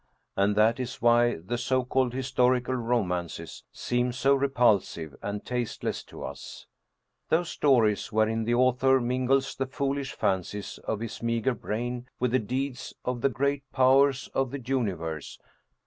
And that is why the so called historical romances seem so repulsive and tasteless to us, those stories wherein the author mingles the foolish fancies of his meager brain with the deeds of the great powers of the universe."